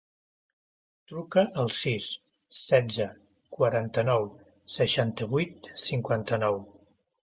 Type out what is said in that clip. Truca al sis, setze, quaranta-nou, seixanta-vuit, cinquanta-nou.